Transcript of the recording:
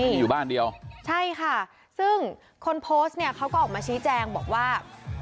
นี่อยู่บ้านเดียวใช่ค่ะซึ่งคนโพสต์เนี่ยเขาก็ออกมาชี้แจงบอกว่า